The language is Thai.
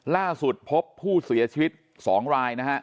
ล่าสุดพบผู้เสียชีวิต๒รายนะฮะ